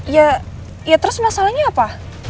ya ya terus masalahnya apa